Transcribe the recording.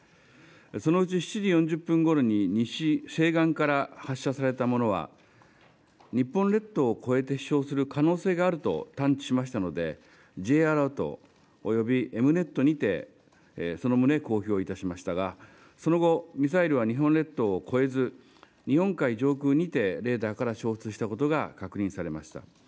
そのうち７時４０分ごろに西、西岸から発射されたものは、日本列島を越えて飛しょうする可能性があると探知しましたので、Ｊアラートおよびエムネットにてその旨、公表いたしましたが、その後、ミサイルは日本列島を越えず、日本海上空にてレーダーから消失したことが確認されました。